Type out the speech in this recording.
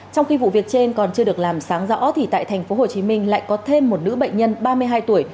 trong khi vụ việc trên còn chưa được làm sáng rõ thì tại tp hcm lại có thêm một nữ bệnh nhân ba mươi hai tuổi